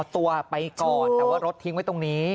เอาตัวไปก่อนแต่ว่ารถทิ้งไว้ตรงนี้